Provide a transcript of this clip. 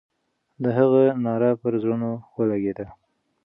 د هغې ناره پر زړونو ولګېده.